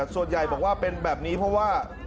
ส่วนใหญ่บอกว่าเป็นแบบนี้เพราะว่า